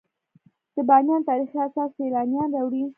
د بامیان تاریخي اثار سیلانیان راوړي